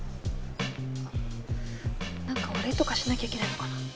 あっ何かお礼とかしなきゃいけないのかな？